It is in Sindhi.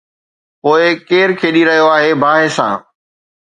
پوءِ ڪير کيڏي رهيو آهي باهه سان؟